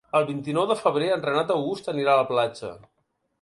El vint-i-nou de febrer en Renat August anirà a la platja.